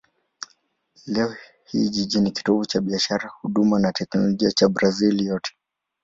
Leo hii jiji ni kitovu cha biashara, huduma na teknolojia cha Brazil yote.